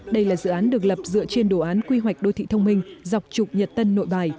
đây là dự án được lập dựa trên đồ án quy hoạch đô thị thông minh dọc trục nhật tân nội bài